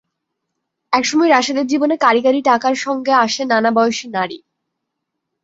একসময় রাশেদের জীবনে কাঁড়ি কাঁড়ি টাকার সঙ্গে আসে নানা বয়সী নারী।